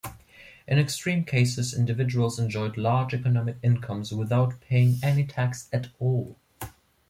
In extreme cases, individuals enjoyed large economic incomes without paying any tax at all.